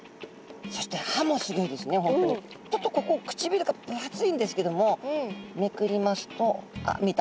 そしてちょっとここくちびるが分厚いんですけどもめくりますとあっ見えた。